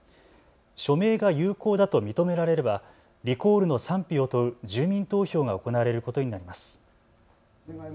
署名が有効だと認められればリコールの賛否を問う住民投票が行われることになります。